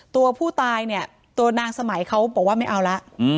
ตัวผู้ตายเนี่ยตัวนางสมัยเขาบอกว่าไม่เอาละ